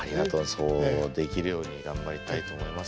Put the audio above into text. そうできるように頑張りたいと思います。